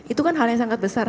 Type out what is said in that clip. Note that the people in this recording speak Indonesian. itu kan hal yang sangat besar